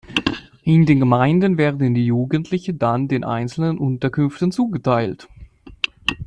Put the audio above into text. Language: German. In den Gemeinden werden die Jugendlichen dann den einzelnen Unterkünften zugeteilt.